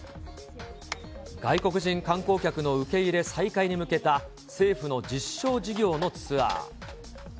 外国人観光客の受け入れ再開に向けた政府の実証事業のツアー。